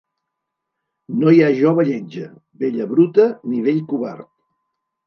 No hi ha jove lletja, vella bruta ni vell covard.